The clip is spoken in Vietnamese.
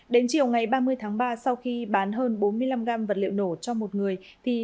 đến chiều ngày ba mươi tháng ba sau khi bán hơn bốn mươi năm gram vật liệu nổ cho một người